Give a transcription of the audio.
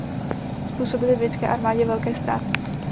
Způsobili britské armádě velké ztráty.